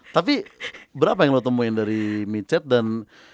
tapi berapa yang lo temuin dari mi chat dan